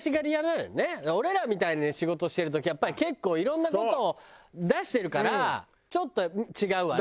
俺らみたいな仕事してるとやっぱり結構いろんな事を出してるからちょっと違うわね。